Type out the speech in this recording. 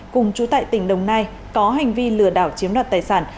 cùng chú tại tỉnh đồng nai có hành vi lừa đảo chiếm đoạt tài sản